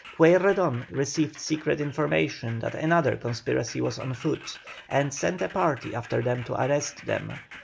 Pueyrredon received secret information that another conspiracy was on foot, and sent a party after them to arrest them.